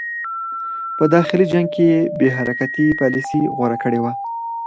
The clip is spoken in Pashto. په داخلي جنګ کې یې بې حرکتي پالیسي غوره کړې وه.